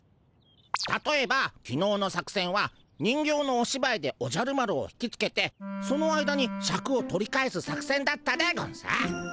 たとえばきのうの作せんは人形のおしばいでおじゃる丸を引きつけてその間にシャクを取り返す作せんだったでゴンス。